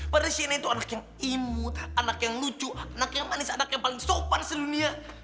padahal shaina itu anak yang imut anak yang lucu anak yang manis anak yang paling sopan di dunia